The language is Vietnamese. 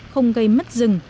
không gây mất rừng